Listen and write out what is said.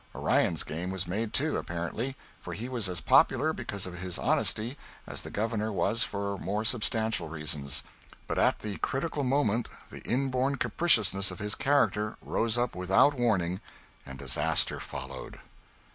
Orion's game was made too, apparently, for he was as popular because of his honesty as the Governor was for more substantial reasons; but at the critical moment the inborn capriciousness of his character rose up without warning, and disaster followed.